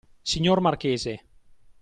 Signor marchese!